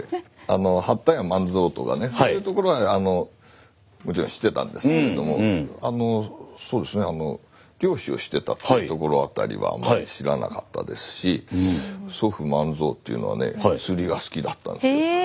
八田屋万蔵とかねそういうところはもちろん知ってたんですけれども漁師をしてたというところあたりは知らなかったですし祖父万蔵っていうのはね釣りが好きだったんです。